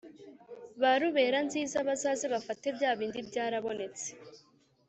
ba ruberanziza bazaze bafate bya bindi byarabonetse.